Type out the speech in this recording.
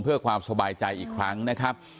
เพื่อความสบายใจอีกครั้งนะครับ